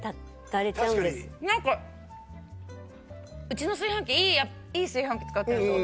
うちの炊飯器いい炊飯器使ってるんですよ。